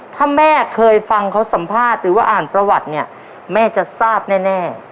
ถ้าแม่เคยฟังเขาสัมภาษณ์หรือว่าอ่านประวัติเนี่ยแม่จะทราบแน่